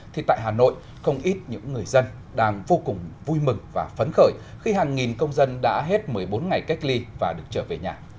thì tại hà nội không ít những người dân đang vô cùng vui mừng và phấn khởi khi hàng nghìn công dân đã hết một mươi bốn ngày cách ly và được trở về nhà